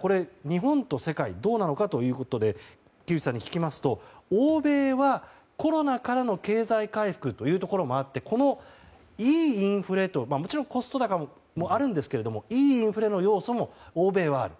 これ、日本と世界どうなのかということで木内さんに聞きますと欧米はコロナからの経済回復というところもあってもちろんコスト高もありますが良いインフレの要素も欧米はある。